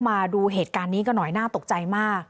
มาดูเหตุการณ์นี้กันหน่อยน่าตกใจมาก